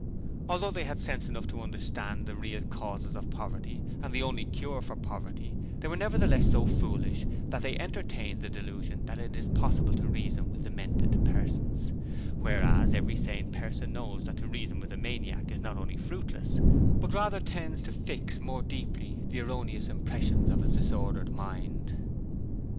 Although they had sense enough to understand the real causes of poverty, and the only cure for poverty, they were nevertheless so foolish that they entertained the delusion that it is possible to reason with demented persons, whereas every sane person knows that to reason with a maniac is not only fruitless, but rather tends to fix more deeply the erroneous impressions of his disordered mind.